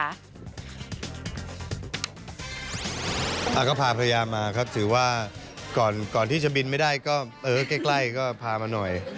อาก็พาภรรยามาครับถือว่าก่อนที่จะบินไม่ได้ก็เออใกล้ก็พามาหน่อย